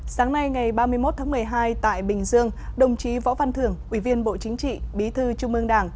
sáng nay ngày ba mươi một tháng một mươi hai tại bình dương đồng chí võ văn thưởng ủy viên bộ chính trị bí thư trung ương đảng